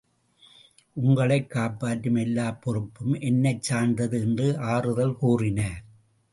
உங்களைக் காப்பாற்றும் எல்லா பொறுப்பும் என்னைச் சார்ந்தது என்று ஆறுதல் கூறினார்.